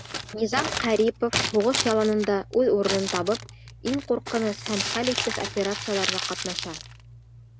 Низам Ҡәрипов, һуғыш яланында үҙ урынын табып, иң ҡурҡыныс һәм хәл иткес операцияларҙа ҡатнаша.